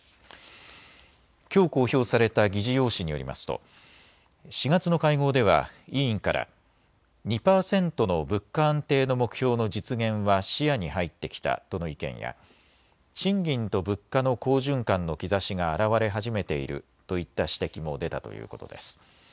きょう公表された議事要旨によりますと４月の会合では委員から２％の物価安定の目標の実現は視野に入ってきたとの意見や賃金と物価の好循環の兆しがあらわれ始めているといった指摘も出たということです。